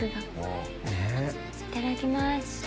いただきます。